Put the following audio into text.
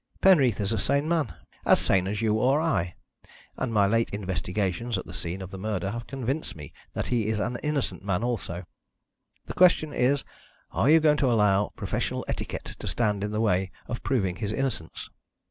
Penreath is a sane man as sane as you or I and my late investigations at the scene of the murder have convinced me that he is an innocent man also. The question is, are you going to allow professional etiquette to stand in the way of proving his innocence?"